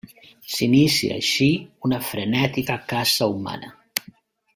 S'inicia així una frenètica caça humana.